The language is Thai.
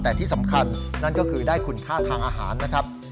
แต่ที่สำคัญนั่นก็คือได้คุณค่าทางอาหารนะครับ